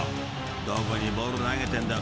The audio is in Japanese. ［どこにボール投げてんだよ。